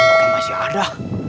gampang apa yang masih ada